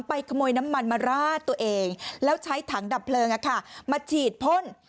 ขโมยน้ำมันมาราดตัวเองแล้วใช้ถังดับเพลิงมาฉีดพ่น